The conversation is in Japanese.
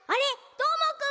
どーもくん！